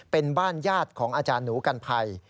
เป็นบ้านญาติของอาจารย์หนูกันภัย